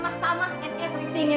mau anda mau atau anda mau tidak mau